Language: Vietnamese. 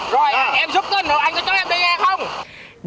rồi em chúc tình rồi anh có cho em đi nghe không